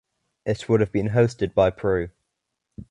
It would have been hosted by Peru.